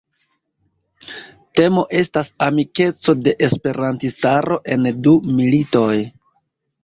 Temo estas amikeco de Esperantistaro en du militoj.